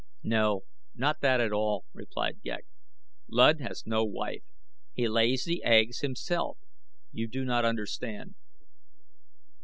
"No, not that at all," replied Ghek. "Luud has no wife. He lays the eggs himself. You do not understand."